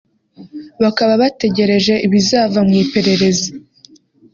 bakaba bategereje ibizava mu iperereza